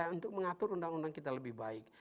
untuk mengatur undang undang kita lebih baik